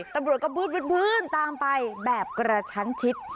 ตำรวจก็พื้นตามไปแบบกระชั้นชิด